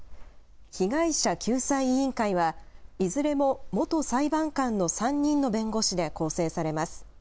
被害者救済委員会は、いずれも元裁判官の３人の弁護士で構成されます。